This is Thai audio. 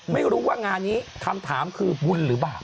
ไม่รู้ว่างานนี้คำถามคือบุญหรือเปล่า